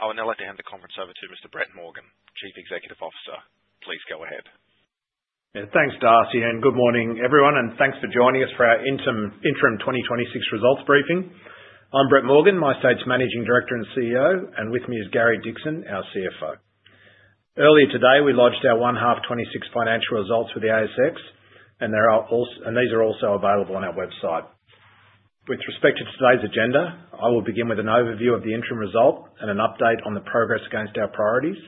I would now like to hand the conference over to Mr. Brett Morgan, Chief Executive Officer. Please go ahead. Yeah, thanks, Darcy, and good morning, everyone, and thanks for joining us for our interim, interim 2026 results briefing. I'm Brett Morgan, MyState's Managing Director and CEO, and with me is Gary Dickson, our CFO. Earlier today, we launched our 1H 2026 financial results with the ASX, and these are also available on our website. With respect to today's agenda, I will begin with an overview of the interim result and an update on the progress against our priorities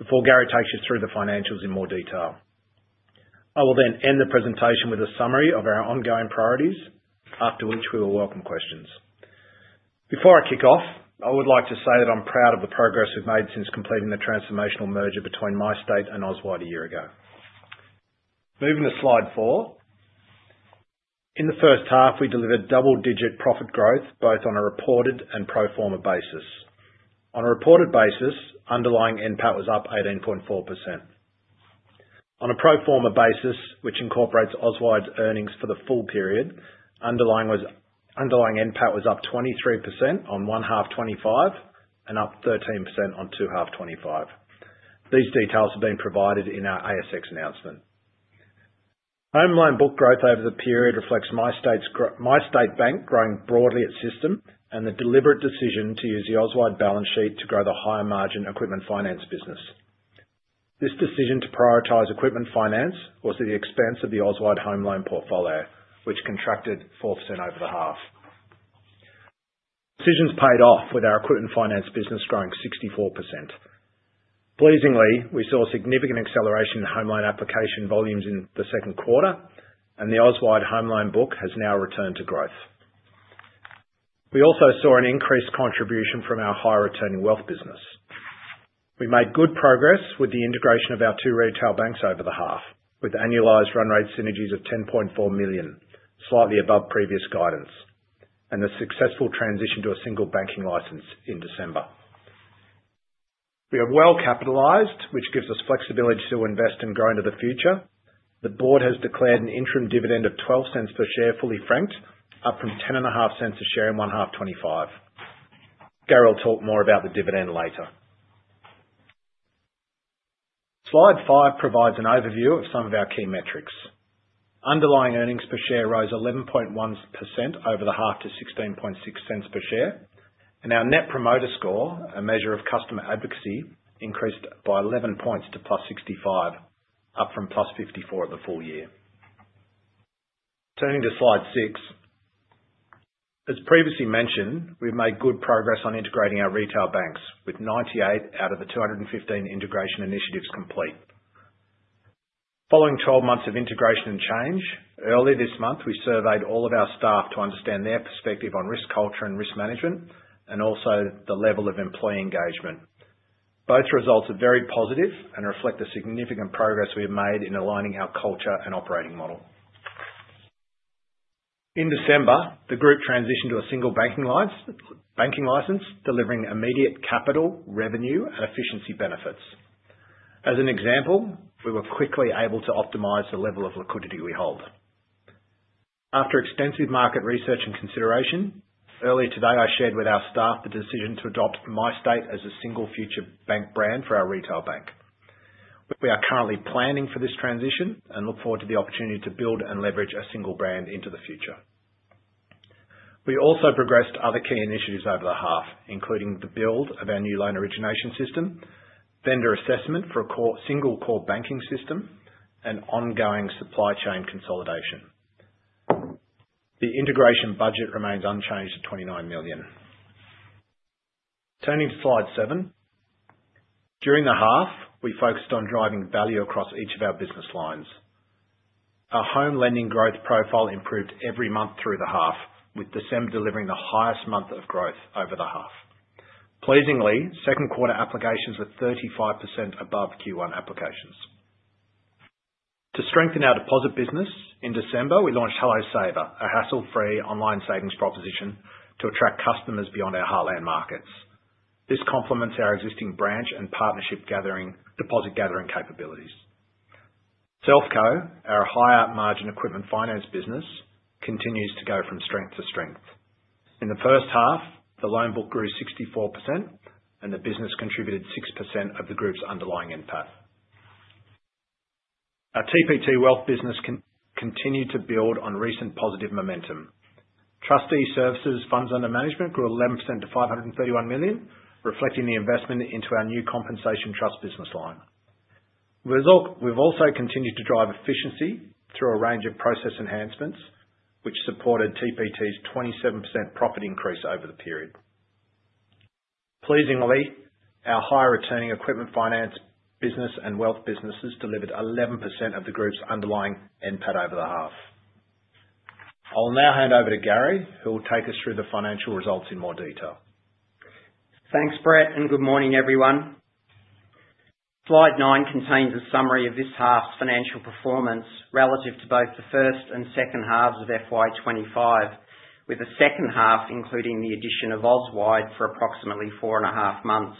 before Gary takes you through the financials in more detail. I will then end the presentation with a summary of our ongoing priorities, after which we will welcome questions. Before I kick off, I would like to say that I'm proud of the progress we've made since completing the transformational merger between MyState and Auswide a year ago. Moving to slide 4. In the first half, we delivered double-digit profit growth, both on a reported and pro forma basis. On a reported basis, underlying NPAT was up 18.4%. On a pro forma basis, which incorporates Auswide's earnings for the full period, underlying NPAT was up 23% on 1H 2025, and up 13% on 2H 2025. These details have been provided in our ASX announcement. Home loan book growth over the period reflects MyState Bank growing broadly at system, and the deliberate decision to use the Auswide balance sheet to grow the higher margin equipment finance business. This decision to prioritize equipment finance was at the expense of the Auswide home loan portfolio, which contracted 4% over the half. Decisions paid off with our equipment finance business growing 64%. Pleasingly, we saw significant acceleration in home loan application volumes in the second quarter, and the Auswide home loan book has now returned to growth. We also saw an increased contribution from our high-returning wealth business. We made good progress with the integration of our two retail banks over the half, with annualized run rate synergies of 10.4 million, slightly above previous guidance, and the successful transition to a single banking license in December. We are well capitalized, which gives us flexibility to invest and grow into the future. The board has declared an interim dividend of 0.12 per share, fully franked, up from 0.105 per share in 1H 2025. Gary will talk more about the dividend later. Slide 5 provides an overview of some of our key metrics. Underlying earnings per share rose 11.1% over the half to 16.6 cents per share, Net Promoter Score up from +54 at the full year. Turning to slide 6. As previously mentioned, we've made good progress on integrating our retail banks, with 98 out of the 215 integration initiatives complete. Following 12 months of integration and change, early this month, we surveyed all of our staff to understand their perspective on risk culture and risk management, and also the level of employee engagement. Both results are very positive and reflect the significant progress we have made in aligning our culture and operating model. In December, the group transitioned to a single banking license, banking license, delivering immediate capital, revenue, and efficiency benefits. As an example, we were quickly able to optimize the level of liquidity we hold. After extensive market research and consideration, early today, I shared with our staff the decision to adopt MyState as a single future bank brand for our retail bank. We are currently planning for this transition and look forward to the opportunity to build and leverage a single brand into the future. We also progressed other key initiatives over the half, including the build of our new loan origination system, vendor assessment for a single core banking system, and ongoing supply chain consolidation. The integration budget remains unchanged at 29 million. Turning to slide 7. During the half, we focused on driving value across each of our business lines. Our home lending growth profile improved every month through the half, with December delivering the highest month of growth over the half. Pleasingly, second quarter applications were 35% above Q1 applications. To strengthen our deposit business, in December, we launched Hello Saver, a hassle-free online savings proposition to attract customers beyond our heartland markets. This complements our existing branch and partnership deposit-gathering capabilities. Selfco, our higher margin equipment finance business, continues to go from strength to strength. In the first half, the loan book grew 64%, and the business contributed 6% of the group's underlying NPAT. Our TPT Wealth business continued to build on recent positive momentum. Trustee services funds under management grew 11% to 531 million, reflecting the investment into our new compensation trust business line. We have also continued to drive efficiency through a range of process enhancements, which supported TPT's 27% profit increase over the period. Pleasingly, our high-returning equipment finance business and wealth businesses delivered 11% of the group's underlying NPAT over the half. I'll now hand over to Gary, who will take us through the financial results in more detail. Thanks, Brett, and good morning, everyone. Slide 9 contains a summary of this half's financial performance relative to both the first and second halves of FY 2025, with the second half including the addition of Auswide for approximately 4.5 months.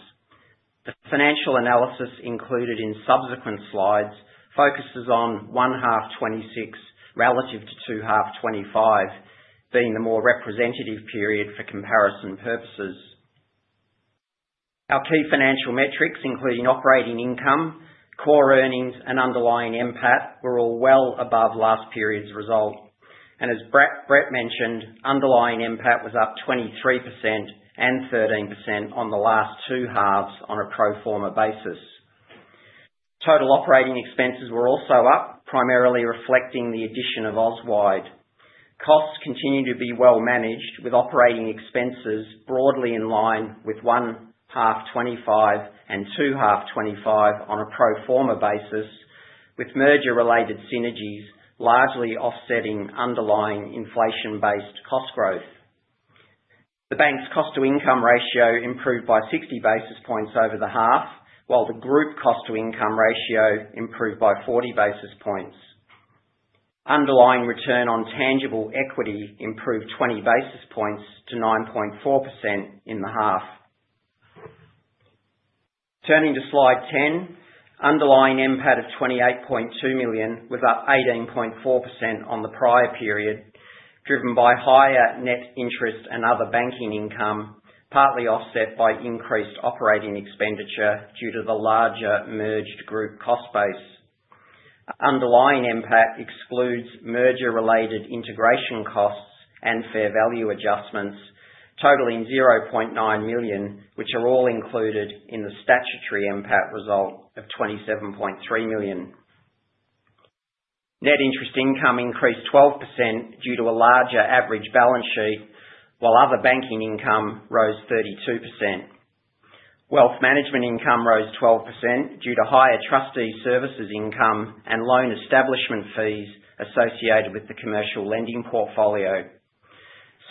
The financial analysis included in subsequent slides focuses on 1H 2026 relative to 2H 2025, being the more representative period for comparison purposes. Our key financial metrics, including operating income, core earnings, and underlying NPAT, were all well above last period's result. As Brett mentioned, underlying NPAT was up 23% and 13% on the last two halves on a pro forma basis. Total operating expenses were also up, primarily reflecting the addition of Auswide. Costs continue to be well managed, with operating expenses broadly in line with 1H 2025 and 2H 2025 on a pro forma basis, with merger-related synergies largely offsetting underlying inflation-based cost growth. The bank's cost-to-income ratio improved by 60 basis points over the half, while the group cost-to-income ratio improved by 40 basis points. Underlying return on tangible equity improved 20 basis points to 9.4% in the half. Turning to slide 10, underlying NPAT of 28.2 million was up 18.4% on the prior period, driven by higher net interest and other banking income, partly offset by increased operating expenditure due to the larger merged group cost base. Underlying NPAT excludes merger-related integration costs and fair value adjustments, totaling 0.9 million, which are all included in the statutory NPAT result of 27.3 million. Net interest income increased 12% due to a larger average balance sheet, while other banking income rose 32%. Wealth management income rose 12% due to higher trustee services income and loan establishment fees associated with the commercial lending portfolio.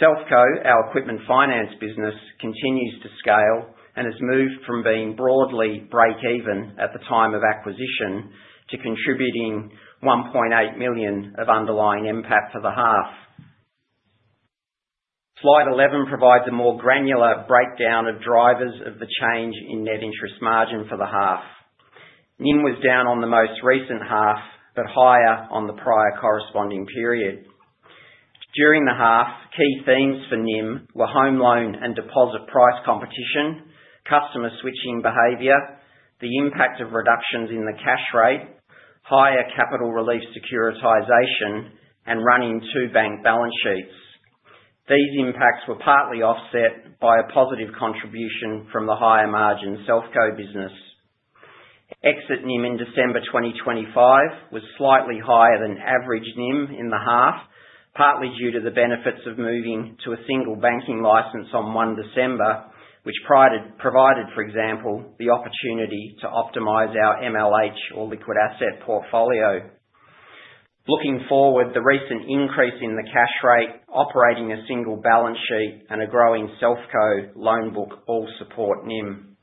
Selfco, our equipment finance business, continues to scale and has moved from being broadly breakeven at the time of acquisition to contributing 1.8 million of underlying NPAT for the half. Slide 11 provides a more granular breakdown of drivers of the change in net interest margin for the half. NIM was down on the most recent half, but higher on the prior corresponding period. During the half, key themes for NIM were home loan and deposit price competition, customer switching behavior, the impact of reductions in the cash rate, higher capital relief securitization, and running two bank balance sheets. These impacts were partly offset by a positive contribution from the higher margin Selfco business. Exit NIM in December 2025 was slightly higher than average NIM in the half, partly due to the benefits of moving to a single banking license on 1 December, which provided, for example, the opportunity to optimize our MLH or liquid asset portfolio. Looking forward, the recent increase in the cash rate, operating a single balance sheet, and a growing Selfco loan book all support NIM.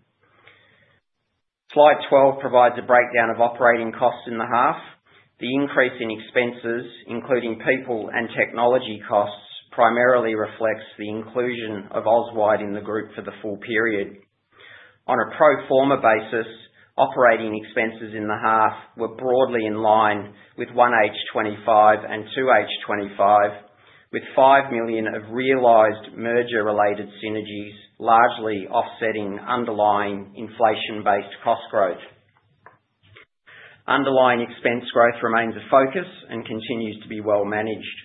Slide 12 provides a breakdown of operating costs in the half. The increase in expenses, including people and technology costs, primarily reflects the inclusion of Auswide in the group for the full period. On a pro forma basis, operating expenses in the half were broadly in line with 1H 2025 and 2H 2025, with 5 million of realized merger-related synergies, largely offsetting underlying inflation-based cost growth. Underlying expense growth remains a focus and continues to be well managed.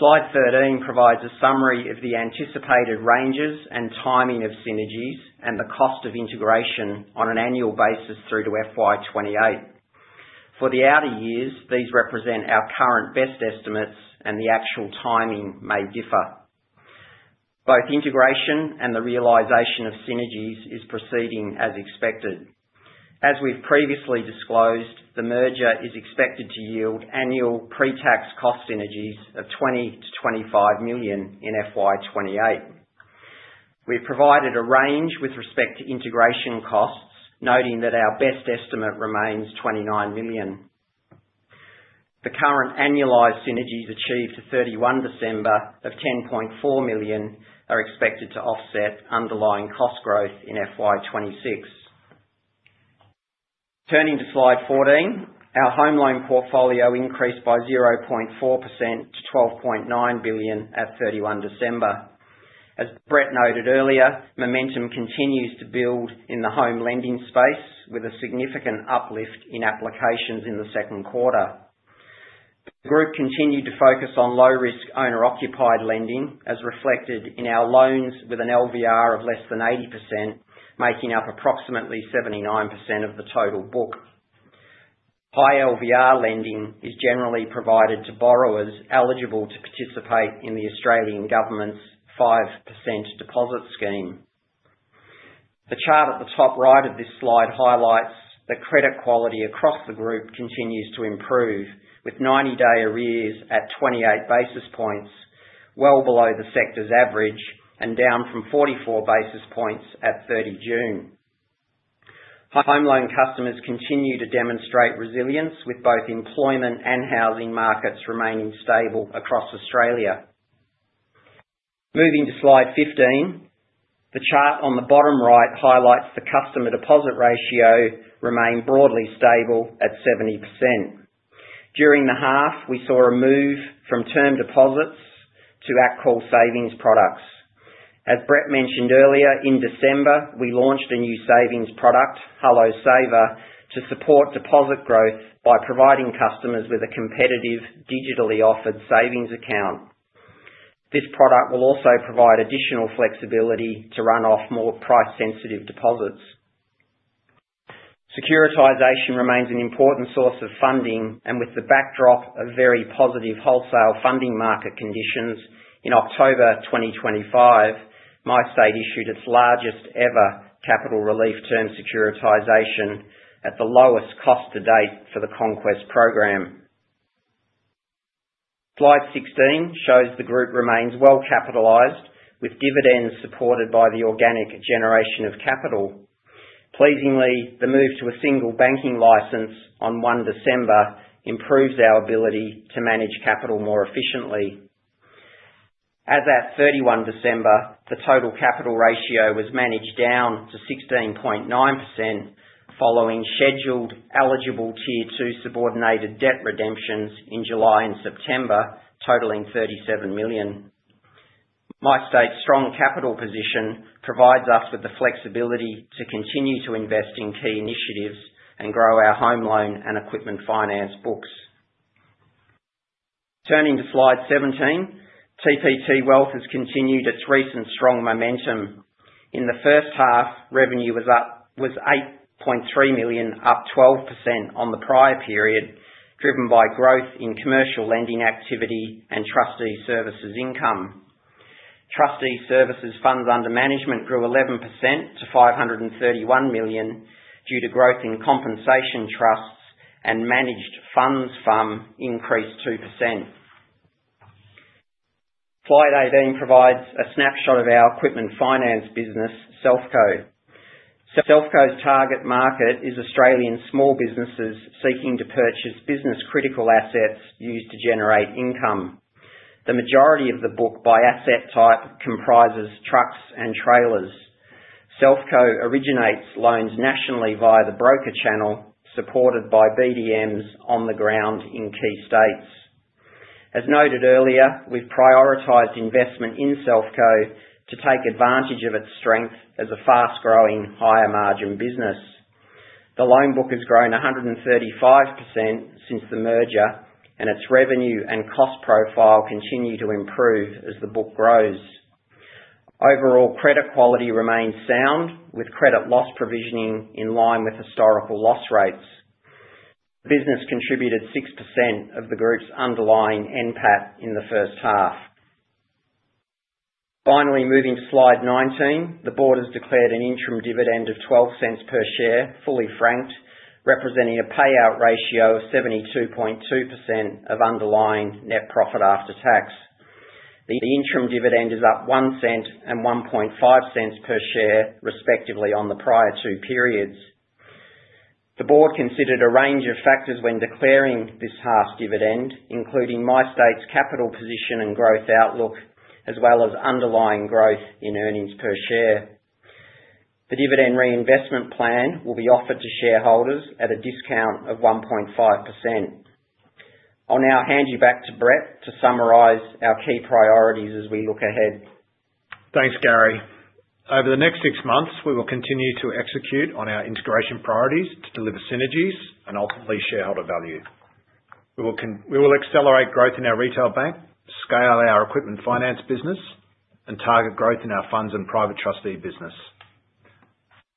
Slide 13 provides a summary of the anticipated ranges and timing of synergies and the cost of integration on an annual basis through to FY 2028. For the outer years, these represent our current best estimates, and the actual timing may differ. Both integration and the realization of synergies is proceeding as expected. As we've previously disclosed, the merger is expected to yield annual pre-tax cost synergies of 20-25 million in FY 2028. We've provided a range with respect to integration costs, noting that our best estimate remains 29 million. The current annualized synergies achieved to 31 December of 10.4 million, are expected to offset underlying cost growth in FY 2026. Turning to slide 14, our home loan portfolio increased by 0.4% to 12.9 billion at 31 December. As Brett noted earlier, momentum continues to build in the home lending space, with a significant uplift in applications in the second quarter. The group continued to focus on low-risk, owner-occupied lending, as reflected in our loans, with an LVR of less than 80%, making up approximately 79% of the total book. High LVR lending is generally provided to borrowers eligible to participate in the Australian government's 5% deposit scheme. The chart at the top right of this slide highlights that credit quality across the group continues to improve, with 90-day arrears at 28 basis points, well below the sector's average and down from 44 basis points at 30 June. Home loan customers continue to demonstrate resilience, with both employment and housing markets remaining stable across Australia. Moving to slide 15, the chart on the bottom right highlights the customer deposit ratio remained broadly stable at 70%. During the half, we saw a move from term deposits to at-call savings products. As Brett mentioned earlier, in December, we launched a new savings product, Hello Saver, to support deposit growth by providing customers with a competitive, digitally offered savings account. This product will also provide additional flexibility to run off more price sensitive deposits. Securitization remains an important source of funding, and with the backdrop of very positive wholesale funding market conditions, in October 2025, MyState issued its largest ever capital relief term securitization at the lowest cost to date for the Conquest program. Slide 16 shows the group remains well capitalized, with dividends supported by the organic generation of capital. Pleasingly, the move to a single banking license on 1 December, improves our ability to manage capital more efficiently. As at 31 December, the total capital ratio was managed down to 16.9%, following scheduled eligible Tier 2 subordinated debt redemptions in July and September, totaling 37 million. MyState's strong capital position provides us with the flexibility to continue to invest in key initiatives and grow our home loan and equipment finance books. Turning to slide 17, TPT Wealth has continued its recent strong momentum. In the first half, revenue was up 8.3 million, up 12% on the prior period, driven by growth in commercial lending activity and trustee services income. Trustee services funds under management grew 11% to 531 million, due to growth in compensation trusts and managed funds. FUM increased 2%. Slide 18 provides a snapshot of our equipment finance business, Selfco. Selfco's target market is Australian small businesses seeking to purchase business-critical assets used to generate income. The majority of the book by asset type comprises trucks and trailers. Selfco originates loans nationally via the broker channel, supported by BDMs on the ground in key states. As noted earlier, we've prioritized investment in Selfco to take advantage of its strength as a fast-growing, higher-margin business. The loan book has grown 135% since the merger, and its revenue and cost profile continue to improve as the book grows. Overall, credit quality remains sound, with credit loss provisioning in line with historical loss rates. Business contributed 6% of the group's underlying NPAT in the first half. Finally, moving to slide 19, the board has declared an interim dividend of 0.12 per share, fully franked, representing a payout ratio of 72.2% of underlying net profit after tax. The interim dividend is up 0.01 and 0.015 per share, respectively, on the prior two periods. The board considered a range of factors when declaring this half's dividend, including MyState's capital position and growth outlook, as well as underlying growth in earnings per share. The dividend reinvestment plan will be offered to shareholders at a discount of 1.5%. I'll now hand you back to Brett to summarize our key priorities as we look ahead. Thanks, Gary. Over the next six months, we will continue to execute on our integration priorities to deliver synergies and ultimately shareholder value. We will accelerate growth in our retail bank, scale our equipment finance business, and target growth in our funds and private trustee business.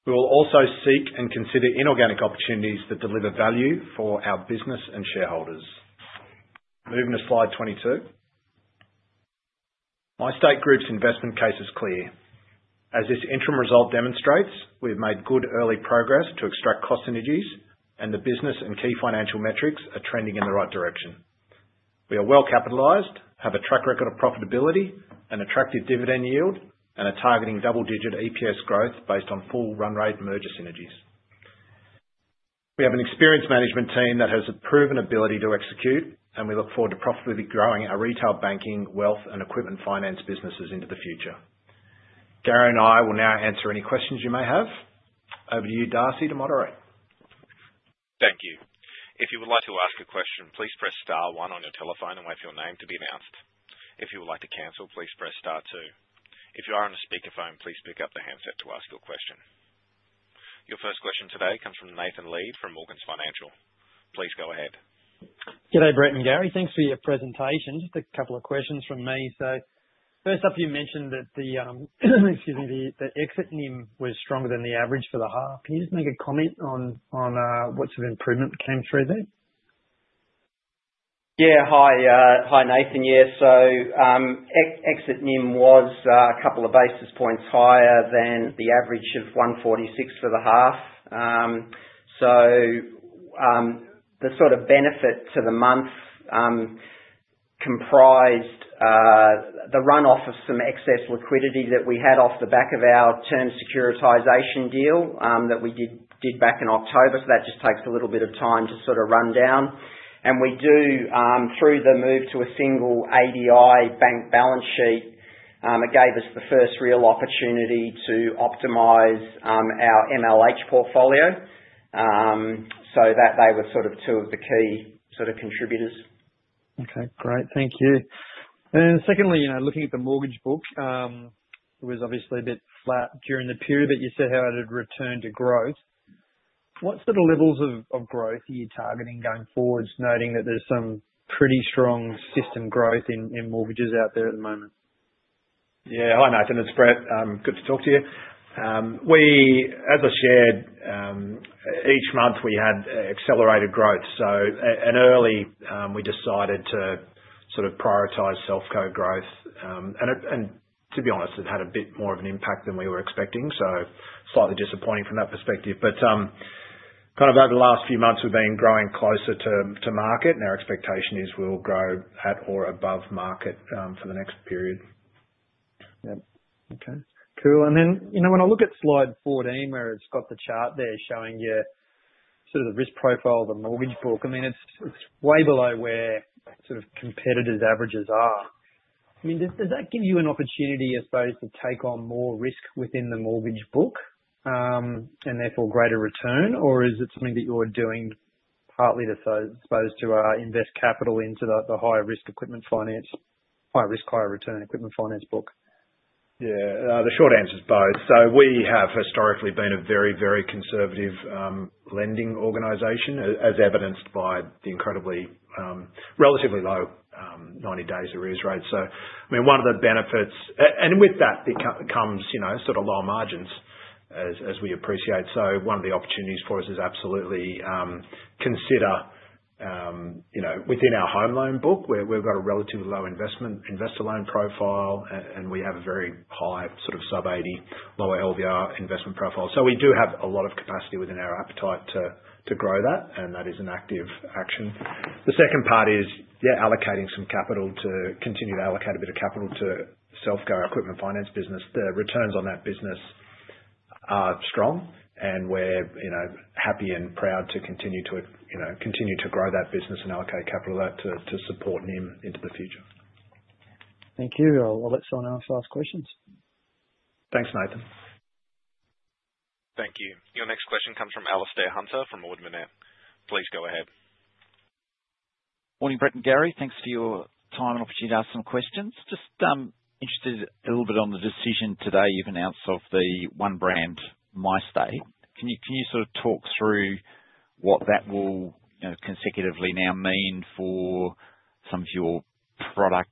We will also seek and consider inorganic opportunities that deliver value for our business and shareholders. Moving to slide 22. MyState Group's investment case is clear. As this interim result demonstrates, we've made good early progress to extract cost synergies, and the business and key financial metrics are trending in the right direction. We are well capitalized, have a track record of profitability, an attractive dividend yield, and are targeting double-digit EPS growth based on full run rate merger synergies. We have an experienced management team that has a proven ability to execute, and we look forward to profitably growing our retail banking, wealth, and equipment finance businesses into the future. Gary and I will now answer any questions you may have. Over to you, Darcy, to moderate. Thank you. If you would like to ask a question, please press star one on your telephone and wait for your name to be announced. If you would like to cancel, please press star two. If you are on a speakerphone, please pick up the handset to ask your question. Your first question today comes from Nathan Lead from Morgans Financial. Please go ahead. G'day, Brett and Gary. Thanks for your presentation. Just a couple of questions from me. So first up, you mentioned that, excuse me, the exit NIM was stronger than the average for the half. Can you just make a comment on what sort of improvement came through there? Yeah. Hi, hi, Nathan. Yeah, exit NIM was a couple of basis points higher than the average of 146 for the half. The sort of benefit to the month comprised the runoff of some excess liquidity that we had off the back of our term securitization deal that we did back in October. That just takes a little bit of time to sort of run down. We do, through the move to a single ADI bank balance sheet, it gave us the first real opportunity to optimize our MLH portfolio. They were two of the key contributors. Okay, great. Thank you. Secondly, you know, looking at the mortgage book, it was obviously a bit flat during the period, but you said how it had returned to growth. What sort of levels of growth are you targeting going forward, noting that there's some pretty strong system growth in mortgages out there at the moment? Yeah. Hi, Nathan, it's Brett. Good to talk to you. We, as I shared, each month, we had accelerated growth, so at, and early, we decided to sort of prioritize Selfco growth. And to be honest, it had a bit more of an impact than we were expecting, so slightly disappointing from that perspective. Kind of over the last few months, we've been growing closer to market, and our expectation is we'll grow at or above market for the next period. Yep. Okay, cool. And then, you know, when I look at slide 14, where it's got the chart there showing your sort of risk profile of the mortgage book, I mean, it's way below where sort of competitors' averages are. I mean, does that give you an opportunity, I suppose, to take on more risk within the mortgage book, and therefore greater return? Or is it something that you're doing partly to supposed to invest capital into the, the higher risk equipment finance, higher risk, higher return equipment finance book? Yeah. The short answer is both. We have historically been a very, very conservative lending organization, as evidenced by the incredibly, relatively low 90 days arrears rate. I mean, one of the benefits... and with that, it comes, you know, sort of lower margins, as we appreciate. One of the opportunities for us is absolutely, you know, within our home loan book, where we've got a relatively low investor loan profile, and we have a very high sort of sub-80 lower LVR investment profile. We do have a lot of capacity within our appetite to grow that, and that is an active action. The second part is, yeah, allocating some capital to continue to allocate a bit of capital to Selfco, our equipment finance business. The returns on that business are strong, and we're, you know, happy and proud to continue to, you know, continue to grow that business and allocate capital out to, to support NIM into the future. Thank you. I'll let someone else ask questions. Thanks, Nathan. Thank you. Your next question comes from Alastair Hunter, from Ord Minnett. Please go ahead. Morning, Brett and Gary. Thanks for your time and opportunity to ask some questions. Just interested a little bit on the decision today, you've announced of the one brand, MyState. Can you sort of talk through what that will, you know, consecutively now mean for some of your product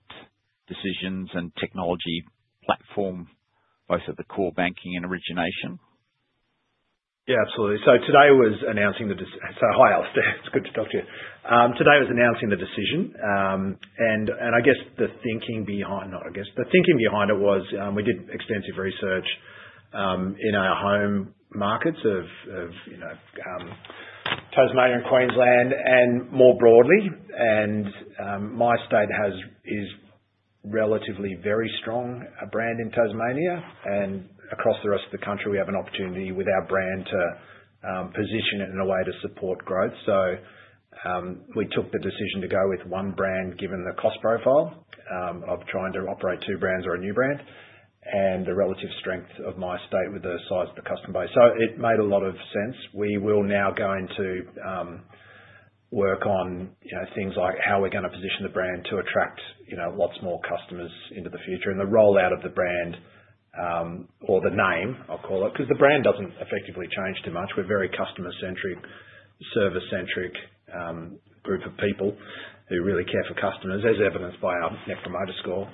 decisions and technology platform, both at the core banking and origination? Yeah, absolutely. So hi, Alastair, it's good to talk to you. Today was announcing the decision, and I guess the thinking behind it was, we did extensive research in our home markets of you know Tasmania and Queensland, and more broadly, and MyState is relatively very strong a brand in Tasmania, and across the rest of the country, we have an opportunity with our brand to position it in a way to support growth. So we took the decision to go with one brand, given the cost profile of trying to operate two brands or a new brand, and the relative strength of MyState with the size of the customer base. So it made a lot of sense. We will now go into work on, you know, things like how we're gonna position the brand to attract, you know, lots more customers into the future. The rollout of the brand, or the name, I'll call it, 'cause the brand doesn't effectively change too much. We're very customer-centric, service-centric, group of people who really care for customers, as evidenced by our Net Promoter Score.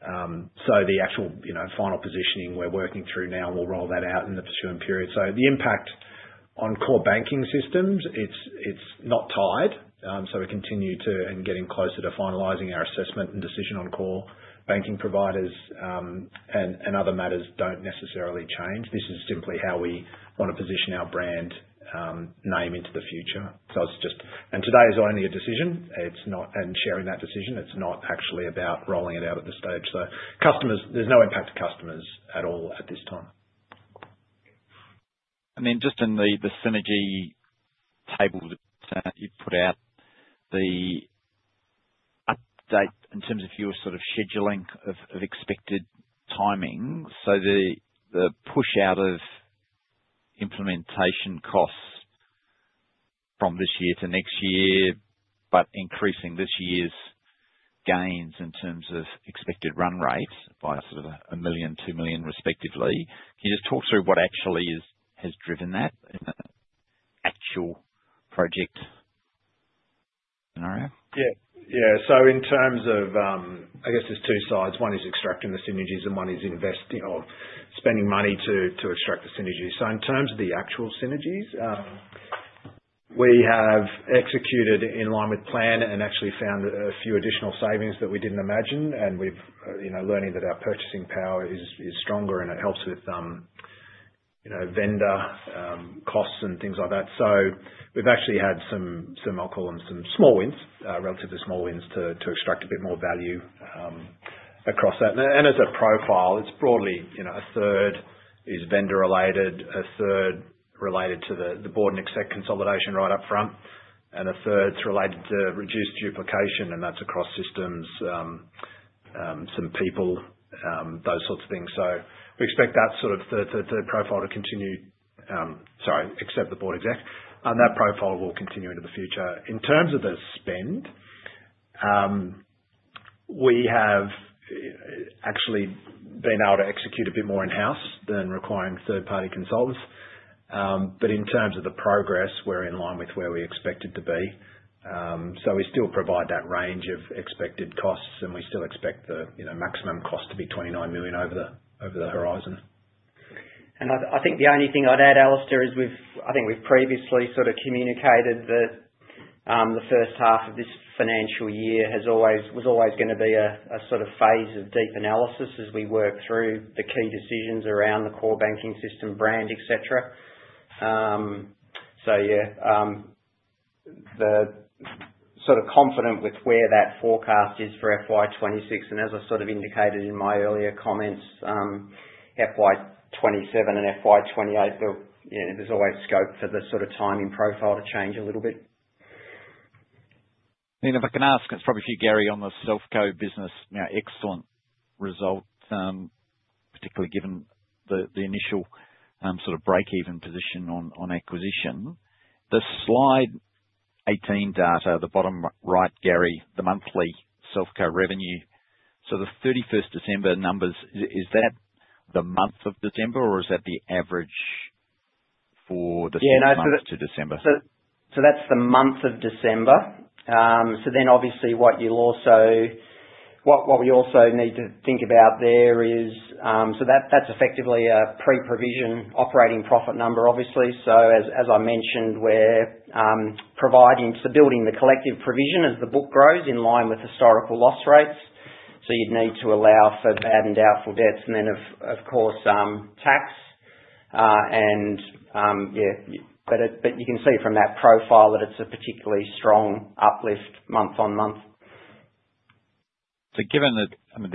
The actual, you know, final positioning we're working through now, we'll roll that out in the ensuing period. The impact on core banking systems, it's not tied. We continue to, and getting closer to finalizing our assessment and decision on core banking providers, and other matters don't necessarily change. This is simply how we want to position our brand, name into the future. It's just... Today is only a decision, it's not... and sharing that decision, it's not actually about rolling it out at this stage. So customers, there's no impact to customers at all at this time. And then just in the synergy table you've put out, the update in terms of your sort of scheduling of expected timing. So the push out of implementation costs from this year to next year, but increasing this year's gains in terms of expected run rates by sort of 1 million, 2 million, respectively. Can you just talk through what actually is, has driven that actual project scenario? Yeah. Yeah, in terms of, I guess there's two sides. One is extracting the synergies, and one is investing or spending money to extract the synergies. In terms of the actual synergies, we have executed in line with plan and actually found a few additional savings that we didn't imagine, and we've, you know, learning that our purchasing power is stronger, and it helps with, you know, vendor costs and things like that. We've actually had some, I'll call them, some small wins, relatively small wins to extract a bit more value across that. As a profile, it's broadly, you know, a third is vendor-related, a third related to the board and exec consolidation right up front, and a third's related to reduced duplication, and that's across systems, some people, those sorts of things. We expect that sort of third-third-third profile to continue. Sorry, except the board exec, and that profile will continue into the future. In terms of the spend, we have actually been able to execute a bit more in-house than requiring third party consultants. But in terms of the progress, we're in line with where we expected to be. We still provide that range of expected costs, and we still expect the, you know, maximum cost to be 29 million over the horizon. And I think the only thing I'd add, Alastair, is we've previously sort of communicated that the first half of this financial year was always gonna be a sort of phase of deep analysis as we work through the key decisions around the core banking system brand, et cetera. So yeah, sort of confident with where that forecast is for FY 2026, and as I sort of indicated in my earlier comments, FY 2027 and FY 2028, look, you know, there's always scope for the sort of timing profile to change a little bit. If I can ask, it's probably for you, Gary, on the Selfco business. Now, excellent result, particularly given the initial sort of breakeven position on acquisition. The slide 18 data, the bottom right, Gary, the monthly Selfco revenue. So the 31 December numbers, is that the month of December, or is that the average for the- Yeah, no, so the- -month to December? So that's the month of December. So then obviously what you'll also... What we also need to think about there is, so that's effectively a pre-provision operating profit number, obviously. So as I mentioned, we're providing, so building the collective provision as the book grows in line with historical loss rates. So you'd need to allow for bad and doubtful debts, and then of course, tax, and yeah. But you can see from that profile that it's a particularly strong uplift month-on-month. So given that, I mean,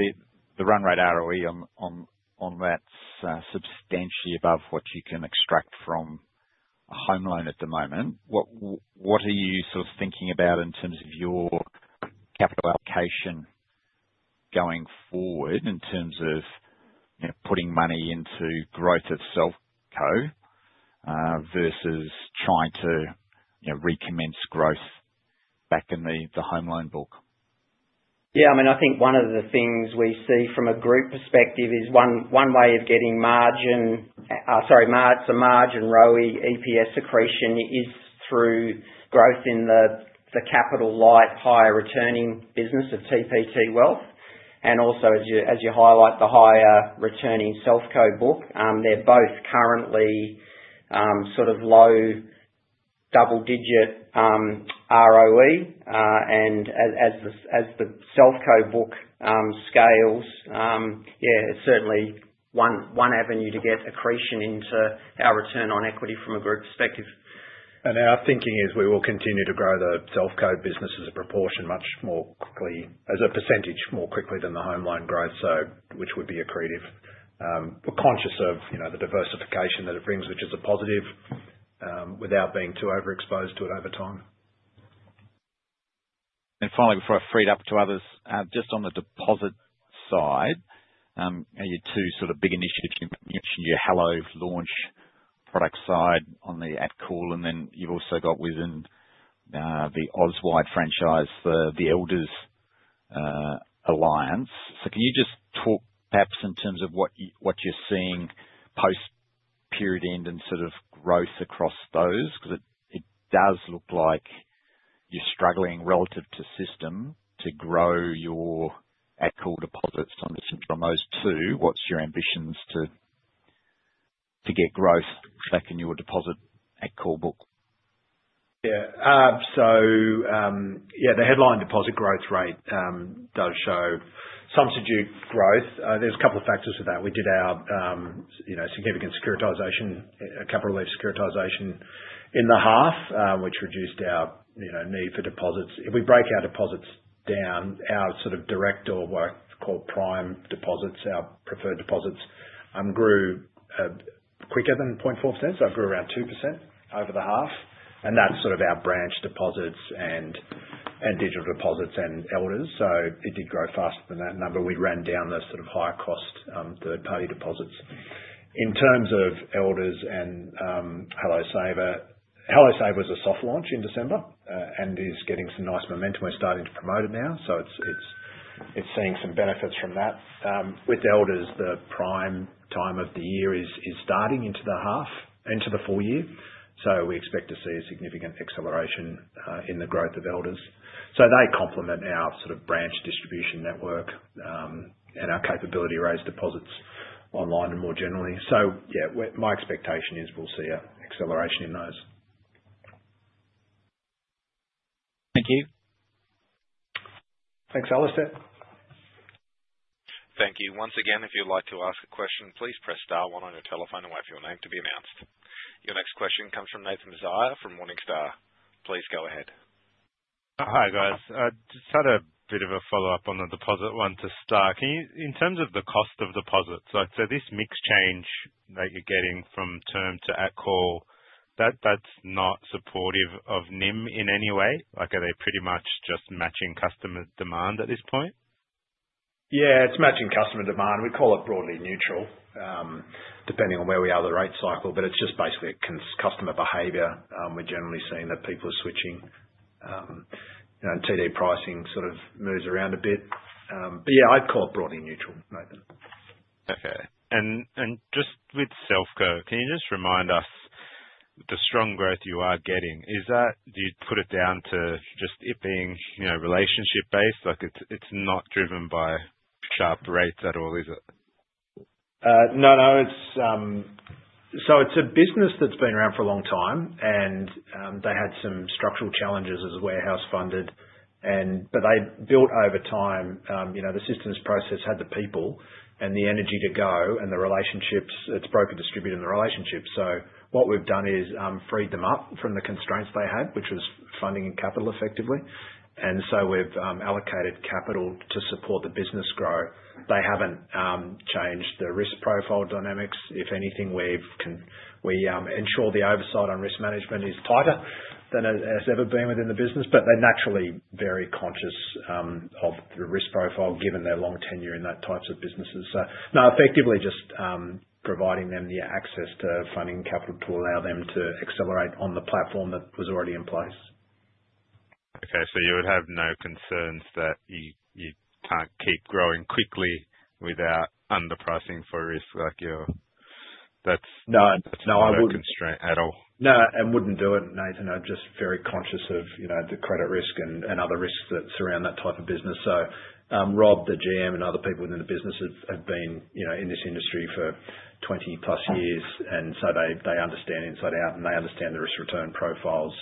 the run rate ROE on that's substantially above what you can extract from a home loan at the moment, what are you sort of thinking about in terms of your capital allocation going forward, in terms of, you know, putting money into growth at Selfco versus trying to, you know, recommence growth back in the home loan book? Yeah, I mean, I think one of the things we see from a group perspective is one way of getting margin, sorry, margin, ROE, EPS accretion is through growth in the capital-light, higher-returning business of TPT Wealth, and also as you highlight, the higher-returning Selfco book. They're both currently sort of low double digit ROE, and as the Selfco book scales, yeah, it's certainly one avenue to get accretion into our return on equity from a group perspective. Our thinking is we will continue to grow the Selfco business as a proportion, much more quickly, as a percentage, more quickly than the home loan growth, so which would be accretive. We're conscious of, you know, the diversification that it brings, which is a positive, without being too overexposed to it over time. And finally, before I free it up to others, just on the deposit side, your two sort of big initiatives, you mentioned your Hello launch product side on the at-call, and then you've also got within the Auswide franchise, the Elders alliance. So can you just talk perhaps in terms of what you're seeing post period end and sort of growth across those? Because it does look like you're struggling relative to system, to grow your at-call deposits on those two, what's your ambitions to get growth back in your deposit at-call book? Yeah. Yeah, the headline deposit growth rate does show some subdued growth. There's a couple factors to that. We did our, you know, significant securitization, a couple of securitization in the half, which reduced our, you know, need for deposits. If we break our deposits down, our sort of direct, or what I call prime deposits, our preferred deposits, grew quicker than 0.4%, so it grew around 2% over the half. And that's sort of our branch deposits and digital deposits and Elders, so it did grow faster than that number. We ran down the sort of higher cost, you know, third party deposits. In terms of Elders and Hello Saver, Hello Saver was a soft launch in December, and is getting some nice momentum. We're starting to promote it now, so it's seeing some benefits from that. With Elders, the prime time of the year is starting into the half, into the full year, so we expect to see a significant acceleration in the growth of Elders. So they complement our sort of branch distribution network, and our capability to raise deposits online and more generally. So yeah, my expectation is we'll see a acceleration in those. Thank you. Thanks, Alastair. Thank you. Once again, if you'd like to ask a question, please press star one on your telephone and wait for your name to be announced. Your next question comes from Nathan Zaia, from Morningstar. Please go ahead. Hi, guys. Just had a bit of a follow-up on the deposit one to start. Can you, in terms of the cost of deposits, so this mix change that you're getting from term to at call, that's not supportive of NIM in any way? Like, are they pretty much just matching customer demand at this point? Yeah, it's matching customer demand. We call it broadly neutral, depending on where we are in the rate cycle, but it's just basically a customer behavior. We're generally seeing that people are switching, you know, and TD pricing sort of moves around a bit. But yeah, I'd call it broadly neutral, Nathan. Okay. With Selfco, can you just remind us the strong growth you are getting, is that... Do you put it down to just it being, you know, relationship based? Like it's, it's not driven by sharp rates at all, is it? No, no. It's so it's a business that's been around for a long time, and they had some structural challenges as warehouse funded, and but they built over time, you know, the systems process had the people and the energy to go and the relationships, it's broker distributed in the relationships. So what we've done is freed them up from the constraints they had, which was funding and capital effectively. And so we've allocated capital to support the business grow. They haven't changed their risk profile dynamics. If anything, we ensure the oversight on risk management is tighter than it has ever been within the business, but they're naturally very conscious of the risk profile, given their long tenure in that types of businesses. So no, effectively just providing them the access to funding capital to allow them to accelerate on the platform that was already in place. Okay. So you would have no concerns that you can't keep growing quickly without underpricing for risk, like you're, that's- No, no, I wouldn't. -constraint at all. No, and wouldn't do it, Nathan. I'm just very conscious of, you know, the credit risk and other risks that surround that type of business. So, Rob, the GM, and other people within the business have been, you know, in this industry for 20+ years, and so they understand inside out, and they understand the risk return profiles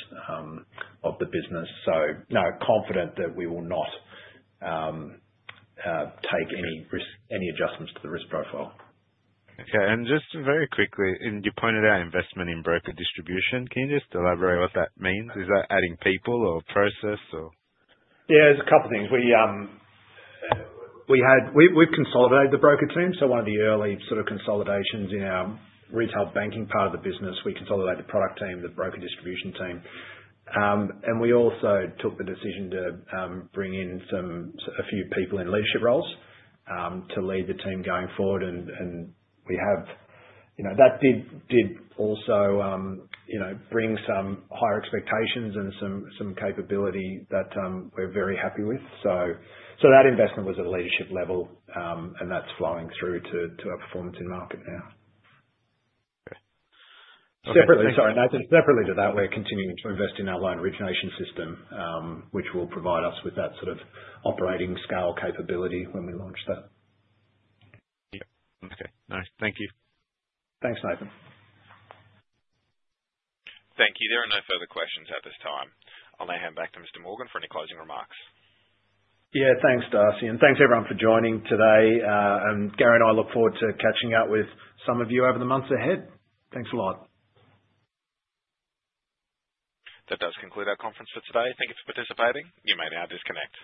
of the business. So no, confident that we will not take any risk, any adjustments to the risk profile. Okay. And just very quickly, and you pointed out investment in broker distribution. Can you just elaborate what that means? Is that adding people or process or? Yeah, it's a couple things. We had. We consolidated the broker team, so one of the early sort of consolidations in our retail banking part of the business, we consolidated the product team, the broker distribution team. And we also took the decision to bring in some, a few people in leadership roles to lead the team going forward, and we have. You know, that did also, you know, bring some higher expectations and some capability that we're very happy with. So that investment was at a leadership level, and that's flowing through to our performance in the market now. Okay. Separately, sorry, Nathan, separately to that, we're continuing to invest in our loan origination system, which will provide us with that sort of operating scale capability when we launch that. Yeah. Okay. Nice. Thank you. Thanks, Nathan. Thank you. There are no further questions at this time. I'll now hand back to Mr. Morgan for any closing remarks. Yeah, thanks, Darcy, and thanks everyone for joining today. And Gary and I look forward to catching up with some of you over the months ahead. Thanks a lot. That does conclude our conference for today. Thank you for participating. You may now disconnect.